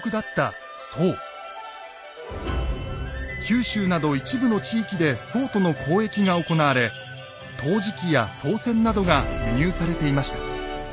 九州など一部の地域で宋との交易が行われ陶磁器や宋銭などが輸入されていました。